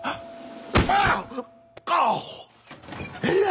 あっ！